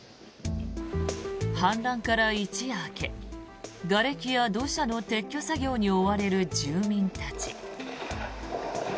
氾濫から一夜明けがれきや土砂の撤去作業に追われる住民たち。